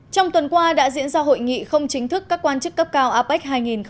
trong tuần qua đã diễn ra hội nghị không chính thức các quan chức cấp cao apec hai nghìn hai mươi